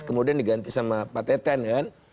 kemudian diganti sama pak teten kan